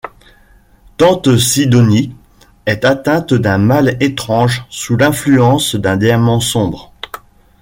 Tante Sidonie est atteinte d'un mal étrange sous l'influence d'un diamant sombre.